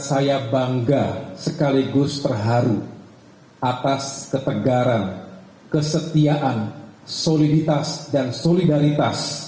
sekaligus terharu atas ketegaran kesetiaan soliditas dan solidaritas